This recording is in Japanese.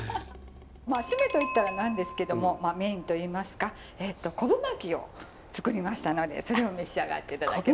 まあ〆と言ったらなんですけどもメインといいますか昆布巻きを作りましたのでそれを召し上がって頂きますね。